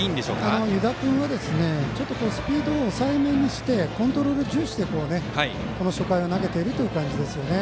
湯田君はスピードを抑えめにしてコントロール重視で初回は投げている感じですよね。